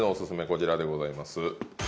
こちらでございます。